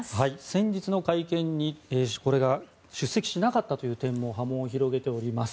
先日の会見に出席しなかったという点も波紋を広げております。